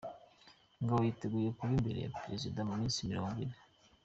Ngabo yiteguye kuba imbere ya Perezida mu minsi mirongwine